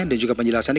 dan juga penjelasannya